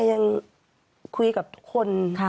ยังคุยกับคน